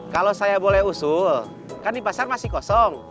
kalau saya boleh usul kan di pasar masih kosong